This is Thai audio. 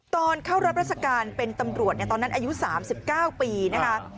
ตอนเข้ารับราชการเป็นตำรวจตอนนั้นอายุ๓๙ปีนะคะ